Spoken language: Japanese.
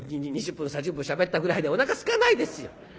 ２０分３０分しゃべったぐらいでおなかすかないですよ。